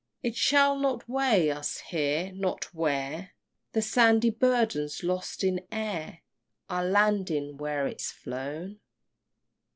It shall not weigh us here not where The sandy burden's lost in air Our lading where is't flown?